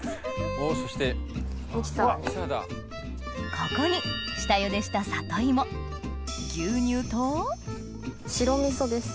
ここに下ゆでした里芋牛乳と白味噌です。